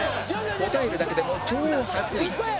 答えるだけでも超はずい